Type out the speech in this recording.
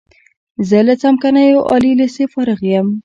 زه له څمکنیو عالی لیسې فارغ یم.